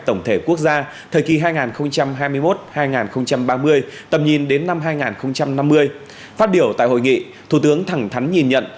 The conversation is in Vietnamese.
tổng thể quốc gia thời kỳ hai nghìn hai mươi một hai nghìn ba mươi tầm nhìn đến năm hai nghìn năm mươi phát biểu tại hội nghị thủ tướng thẳng thắn nhìn nhận